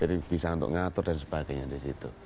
jadi bisa untuk ngatur dan sebagainya di situ